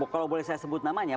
kalau boleh saya sebut namanya